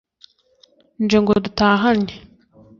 nje ngo duhatane